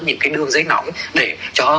những cái đường dây nóng để cho